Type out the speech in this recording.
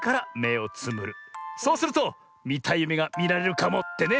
そうするとみたいゆめがみられるかもってね。